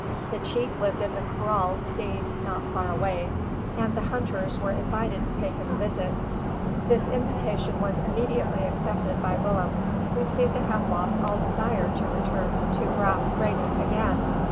The chief lived in the kraal seen not far away; and the hunters were invited to pay him a visit. This invitation was immediately accepted by Willem, who seemed to have lost all desire to return to Graaf Reinet again.